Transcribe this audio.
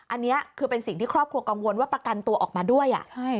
อันนี้คือเป็นสิ่งที่ครอบครัวกังวลว่าประกันตัวออกมาด้วย